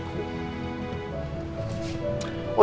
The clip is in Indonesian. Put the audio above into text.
kok papa tau